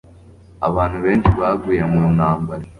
abantu benshi baguye mu ntambara